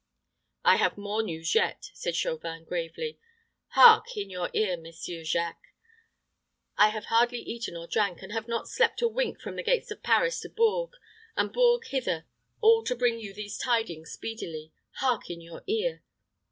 "I have more news yet," said Chauvin, gravely. "Hark, in your ear, Messire Jacques. I have hardly eaten or drank, and have not slept a wink from the gates of Paris to Bourges, and Bourges hither, all to bring you these tidings speedily. Hark in your ear!"